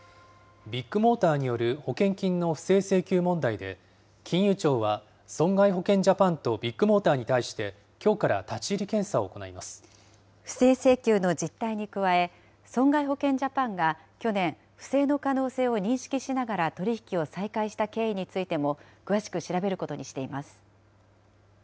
ビッグモーターによる保険金の不正請求問題で、金融庁は損害保険ジャパンとビッグモーターに対してきょうから立不正請求の実態に加え、損害保険ジャパンが去年、不正の可能性を認識しながら取り引きを再開した経緯についても詳しく調べることにしています。